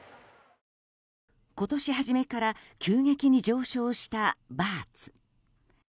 今年初めから急激に上昇をしたバーツ。